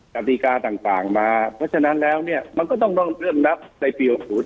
กติกาต่างมาเพราะฉะนั้นแล้วเนี่ยมันก็ต้องเริ่มนับในปี๖๐